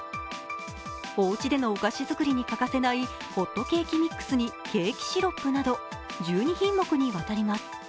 おうちでのお菓子作りに欠かせないホットケーキミックスにケーキシロップなど１２品目にわたります。